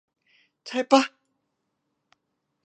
ป่ะ?